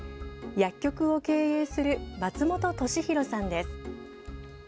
薬局を経営する松本寿広さんです。